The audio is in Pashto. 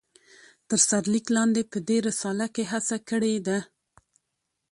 تر سر ليک لاندي په دي رساله کې هڅه کړي ده